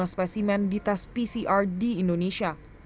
dua puluh tujuh lima ratus dua puluh lima spesimen dites pcr di indonesia